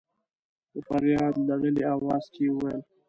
په فرياد لړلي اواز کې يې وويل.